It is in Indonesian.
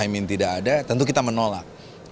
cain min tidak ada tentu kita menolak